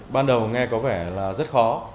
ban đầu nghe có vẻ là rất khó